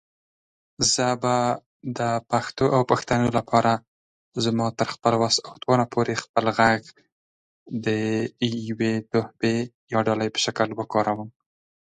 Upon its completion it was the widest man-made arch in the world.